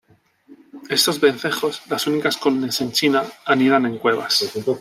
Estos vencejos, las únicas colonias en China, anidan en cuevas.